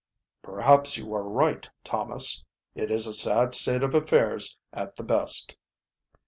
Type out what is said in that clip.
"Perhaps you are right, Thomas. It is a sad state of affairs at the best."